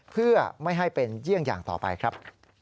เพื่อไม่ให้เป็นเยี่ยงอย่างต่อไปครับ